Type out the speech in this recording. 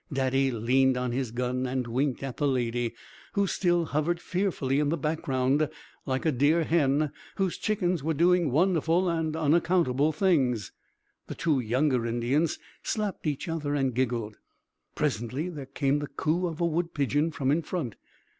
Daddy leaned on his gun and winked at the Lady, who still hovered fearfully in the background like a dear hen whose chickens were doing wonderful and unaccountable things. The two younger Indians slapped each other and giggled. Presently there came the "coo" of a wood pigeon from in front.